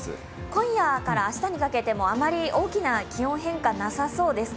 今夜から明日にかけても、あまり大きな気温変化なさそうです。